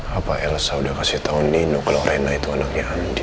hai apa elsa udah kasih tahu nino kalau rena itu anaknya andi